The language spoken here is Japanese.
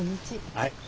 はい。